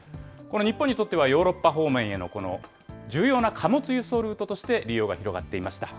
日本にとってはヨーロッパ方面への重要な貨物ルートとして利用が広がっていました。